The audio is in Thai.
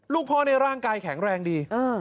ลูกพ่อในร่างกายแข็งแรงดี